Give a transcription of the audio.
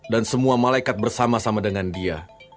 dan semua malaikat bersama sama dengan dia